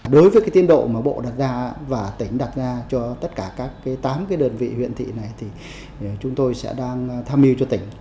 đối với cái tiến độ mà bộ đặt ra và tỉnh đặt ra cho tất cả các tám đơn vị huyện thị này thì chúng tôi sẽ đang tham mưu cho tỉnh